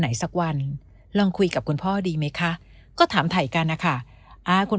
สักวันลองคุยกับคุณพ่อดีไหมคะก็ถามถ่ายกันนะคะอ่าคุณ